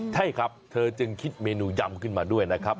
ใช่ครับเธอจึงคิดเมนูยำขึ้นมาด้วยนะครับ